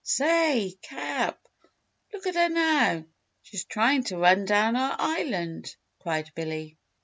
"Say, Cap! Look at her now she's trying to run down our Island," cried Billy.